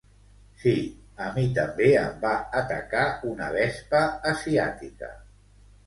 Sí, a mi també em va atacar una vespa asiàtica.